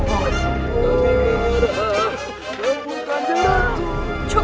peperangan telah berakhir